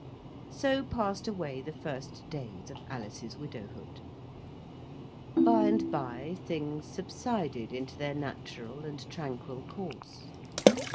So passed away the first days of Alice's widowhood. Bye and bye things subsided into their natural and tranquil course.